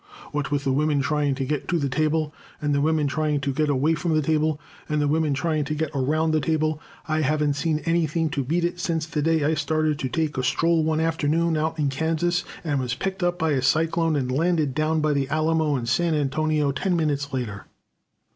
What with the women trying to get to the table, and the women trying to get away from the table, and the women trying to get around the table, I haven't seen anything to beat it since the day I started to take a stroll one afternoon out in Kansas, and was picked up by a cyclone and landed down by the Alamo in San Antonio ten minutes later."